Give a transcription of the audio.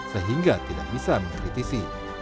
sehingga tidak bisa dikritisi